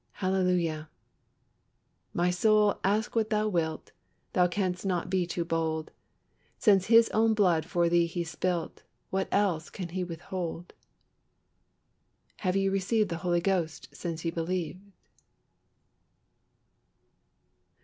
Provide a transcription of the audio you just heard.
Hallelujah! "My soul, ask what thou wilt, Thou canst not be too bold; Since His own blood for thee He spilt, What else can He withhold?" "HAVE YE RECEIVED THE HOLY GHOST SINCE YE BELIEVED?"